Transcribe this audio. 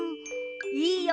いいよ！